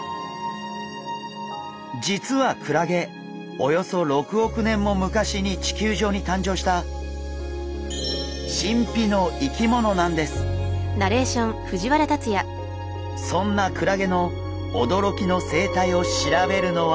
実はクラゲおよそ６億年も昔に地球上に誕生したそんなクラゲのおどろきの生態を調べるのは？